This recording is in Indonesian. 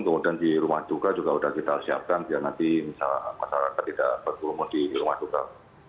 kemudian di rumah duka juga sudah kita siapkan biar nanti masyarakat tidak berkerumun di rumah duka